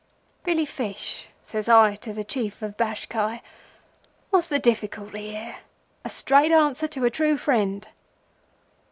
"'Billy Fish,' says I to the Chief of Bashkai, 'what's the difficulty here? A straight answer to a true friend.